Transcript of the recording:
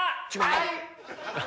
はい！